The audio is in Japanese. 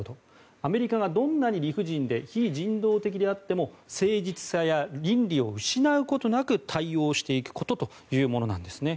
アメリカがどんなに理不尽で非人道的であっても誠実さや倫理を失うことなく対応していくことというものなんですね。